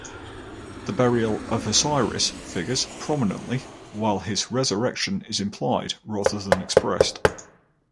The burial of Osiris figures prominently, while his resurrection is implied rather than expressed.